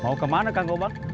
mau kemana kang gobang